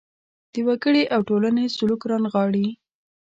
د وګړي او ټولنې سلوک رانغاړي.